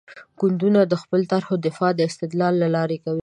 ګوندونه د خپلو طرحو دفاع د استدلال له لارې کوي.